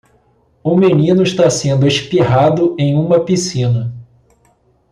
Um menino está sendo espirrado em uma piscina